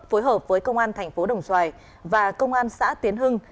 phối hợp với công an tp đồng xoài và công an xã tiến hưng